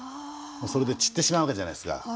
それで散ってしまうわけじゃないですか。